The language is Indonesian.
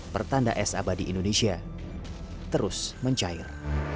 pertanda es abadi indonesia terus mencair